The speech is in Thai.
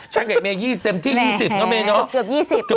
ฉันแก่เมยี่เต็มที่๒๐เนาะเมน้อง